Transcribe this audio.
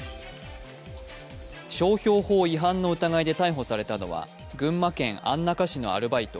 商標法違反の疑いで逮捕されたのは群馬県安中市のアルバイト、